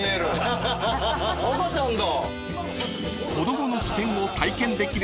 赤ちゃんだ。